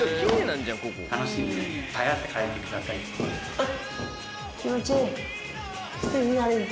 あっ。